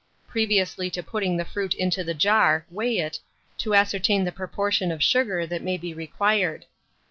Previously to putting the fruit into the jar, weigh it, to ascertain the proportion of sugar that may be required.